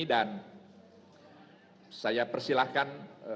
dan saya persilahkan